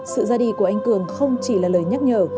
sự ra đi của anh cường không chỉ là lời nhắc nhở